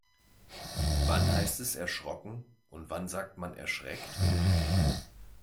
Wann heißt es erschrocken und wann sagt man erschreckt?